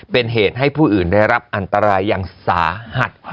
เป็นเหตุให้ผู้อื่นได้รับอันตรายอย่างสาหัส